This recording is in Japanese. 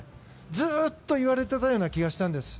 ずっと言われていたような気がしたんです。